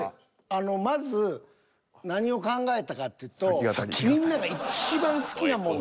あのまず何を考えたかっていうとみんながいちばん好きなものを。